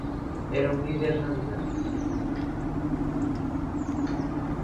Eram líderes navegantes